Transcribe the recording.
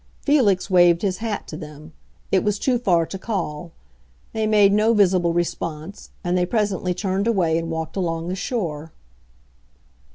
Felix waved his hat to them; it was too far to call. They made no visible response, and they presently turned away and walked along the shore.